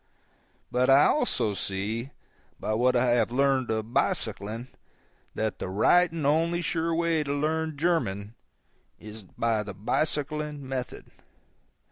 But I also see, by what I have learned of bicycling, that the right and only sure way to learn German is by the bicycling method.